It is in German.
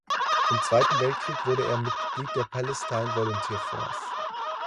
Im Zweiten Weltkrieg wurde er Mitglied der Palestine Volunteer Force.